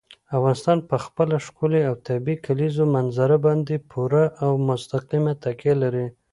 افغانستان په خپله ښکلې او طبیعي کلیزو منظره باندې پوره او مستقیمه تکیه لري.